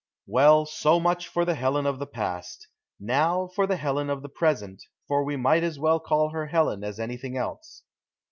Well, so much for the Helen of the past. Now for the Helen of the present, for we might as well call her Helen as anything else."